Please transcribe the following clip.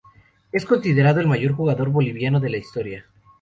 Es considerado el mayor jugador boliviano de la historia.